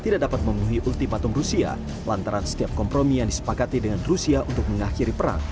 di ultimatum rusia lantaran setiap kompromi yang disepakati dengan rusia untuk mengakhiri perang